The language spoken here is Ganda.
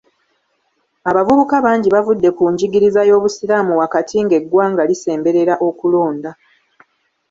Abavubuka bangi bavudde ku njigiriza y’obuyisiraamu wakati ng’eggwanga lisemberera okulonda.